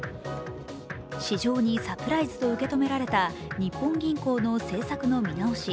市場にサプライズと受け止められた日本銀行の政策の見直し。